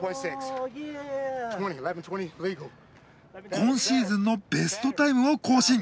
今シーズンのベストタイムを更新。